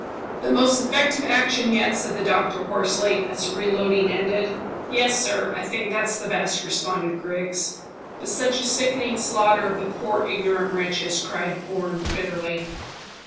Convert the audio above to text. "The most effective action yet," said the doctor hoarsely, as the reloading ended. "Yes, sir, I think that's best," responded Griggs. "But such a sickening slaughter of the poor ignorant wretches," cried Bourne bitterly.